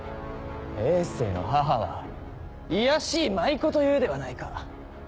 政の母は卑しい舞妓というではないか。